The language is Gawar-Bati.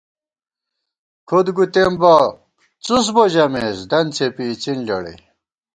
کھُد گُوتېم بہ څُس بو ژمېس ، دن څېپی اِڅِن لېڑَئی